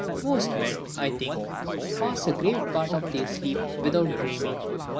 Most men, I think, pass a great part of their sleep without dreaming.